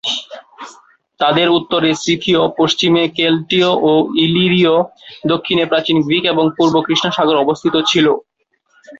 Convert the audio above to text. তাদের উত্তরে সিথীয়, পশ্চিমে কেল্টীয় ও ইলিরীয়, দক্ষিণে প্রাচীন গ্রিক এবং পূর্ব কৃষ্ণ সাগর অবস্থিত ছিল।